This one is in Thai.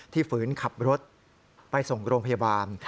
ฝืนขับรถไปส่งโรงพยาบาล